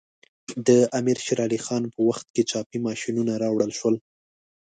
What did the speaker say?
د امیر شیر علی خان په وخت کې چاپي ماشینونه راوړل شول.